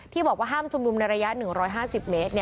บอกว่าห้ามชุมนุมในระยะ๑๕๐เมตร